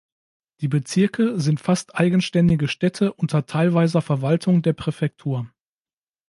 Die Bezirke sind fast eigenständige Städte unter teilweiser Verwaltung der Präfektur.